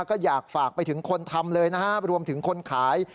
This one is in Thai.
ก็อยากฝากไปถึงคนทำเลยนะฮะรวมถึงคนขาย